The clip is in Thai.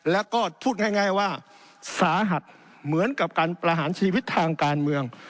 แล้วก็พูดง่ายว่าสาหัสเหมือนกับการประหารชีวิตทางการเมือง